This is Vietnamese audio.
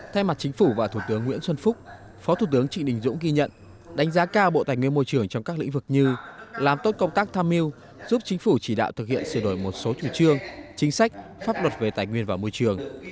thay mặt chính phủ và thủ tướng nguyễn xuân phúc phó thủ tướng trị đình dũng ghi nhận đánh giá cao bộ tài nguyên môi trường trong các lĩnh vực như làm tốt công tác tham mưu giúp chính phủ chỉ đạo thực hiện sửa đổi một số chủ trương chính sách pháp luật về tài nguyên và môi trường